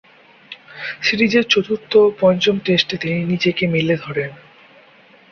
সিরিজের চতুর্থ ও পঞ্চম টেস্টে তিনি নিজেকে মেলে ধরেন।